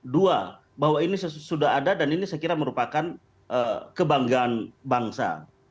dua bahwa ini sudah ada dan ini saya kira merupakan kebanggaan bangsa